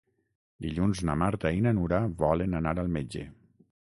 Dilluns na Marta i na Nura volen anar al metge.